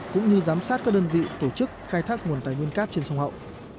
cũng như giám sát các đơn vị tổ chức khai thác nguồn tài nguyên cát trên sông hậu